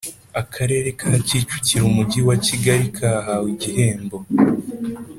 Akarere ka Kicukiro Umujyi wa Kigali kahawe igihembo